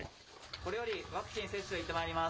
これよりワクチン接種に行ってまいります。